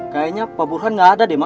kayaknya pak burhan nggak ada deh